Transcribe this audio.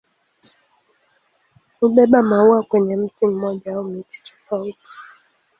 Hubeba maua kwenye mti mmoja au miti tofauti.